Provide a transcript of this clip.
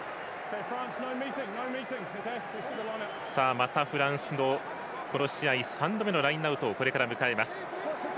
またフランスの３度目のラインアウトをこれから迎えます。